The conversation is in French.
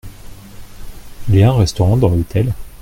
Il y a un restaurant dans l’hôtel ?